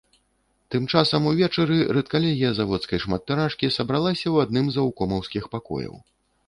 Тым часам увечары рэдкалегія заводскай шматтыражкі сабралася ў адным з заўкомаўскіх пакояў.